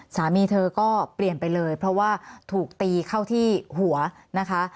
สามีเธอก็เปลี่ยนไปเลยเพราะว่าถูกตีเข้าที่หัวนะคะ